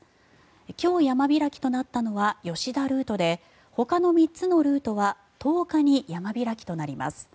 今日、山開きとなったのは吉田ルートでほかの３つのルートは１０日に山開きとなります。